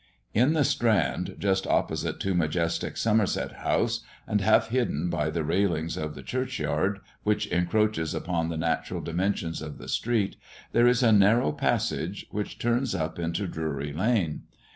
In the Strand, just opposite to majestic Somerset House, and half hidden by the railings of the church yard, which encroaches upon the natural dimensions of the street, there is a narrow passage, which turns up into Drury lane.